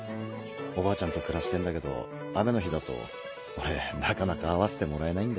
おばあちゃんと暮らしてるんだけど雨の日だと俺なかなか会わせてもらえないんだよね。